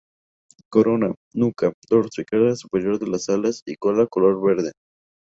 Corona, nuca, dorso y cara superior de las alas y cola, color verde.